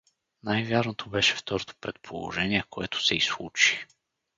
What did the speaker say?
Най-вярното беше второто предположение, което се и случи.